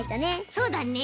そうだね。